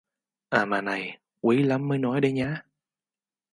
À mà này quý lắm mới nói đấy nhá